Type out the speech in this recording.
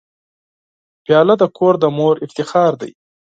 پیاله د کور د مور افتخار دی.